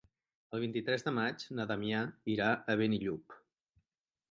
El vint-i-tres de maig na Damià irà a Benillup.